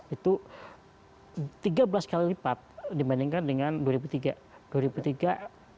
itu tiga belas kali lipat dibandingkan dengan dua ribu tiga